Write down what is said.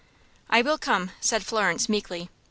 "I will come," said Florence, meekly.